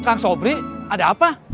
kang sobri ada apa